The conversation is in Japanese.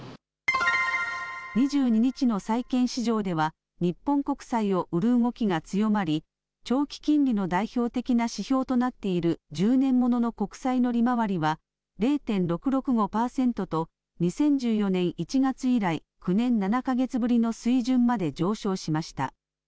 ２２日の債券市場では、日本国債を売る動きが強まり、長期金利の代表的な指標となっている１０年ものの国債の利回りは０．６６５％と、２０１４年１月以来、９年７か月ぶりの水準まで上昇しました。